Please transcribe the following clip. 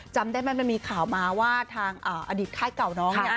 จำได้มั้ยมีข่าวมาว่าทางอดีตค่ายเก่าน้อง